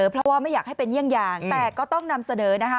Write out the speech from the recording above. เพราะว่าไม่อยากให้เป็นเยี่ยงอย่างแต่ก็ต้องนำเสนอนะคะ